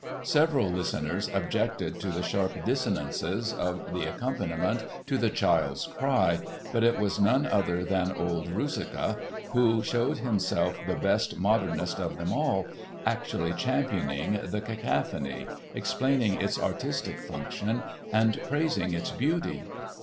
Several listeners objected to the sharp dissonances of the accompaniment to the child's cry but it was none other than old Ruziczka who showed himself the best "modernist" of them all, actually championing the "cacophony," explaining its artistic function and praising its beauty.